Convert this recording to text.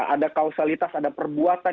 ada kausalitas ada perbuatan